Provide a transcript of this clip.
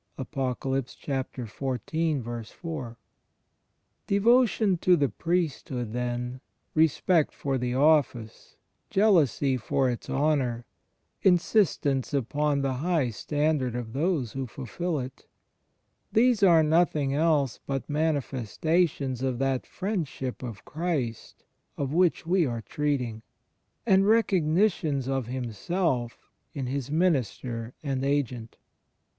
^ Devotion to the priesthood, then, respect for the office, jealousy for its honour, insistence upon the high stand ard of those who fulfil it — these are nothing else but manifestations of that Friendship of Christ of which we are treating, and recognitions of Himself in His minister and agent.